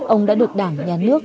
ông đã được đảng nhà nước